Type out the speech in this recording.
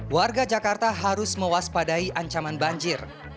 warga jakarta harus mewaspadai ancaman banjir